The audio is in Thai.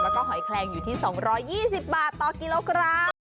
แล้วก็หอยแคลงอยู่ที่๒๒๐บาทต่อกิโลกรัม